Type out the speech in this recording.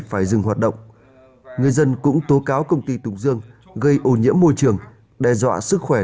phải dừng hoạt động người dân cũng tố cáo công ty tục dương gây ô nhiễm môi trường đe dọa sức khỏe